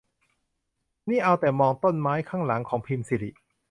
นี่เอาแต่มองต้นไม้ข้างหลังของพิมสิริ